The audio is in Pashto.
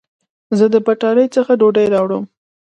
زه د بټاری څخه ډوډي راوړم